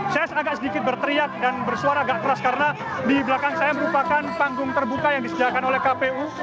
saya agak sedikit berteriak dan bersuara agak keras karena di belakang saya merupakan panggung terbuka yang disediakan oleh kpu